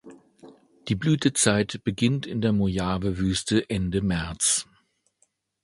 Die Blütezeit beginnt in der Mojave-Wüste Ende März.